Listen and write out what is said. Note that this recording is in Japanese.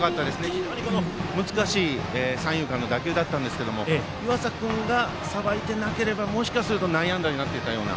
非常に難しい三遊間の打球だったんですが湯浅君がさばいてなければもしかすると内野安打になっていたような。